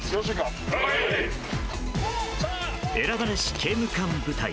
選ばれし刑務官部隊。